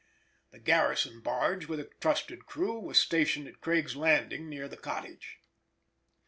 The garrison barge, with a trusted crew, was stationed at Craig's Landing, near the cottage.